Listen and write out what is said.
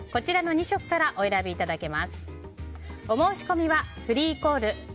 ２色からお選びいただけます。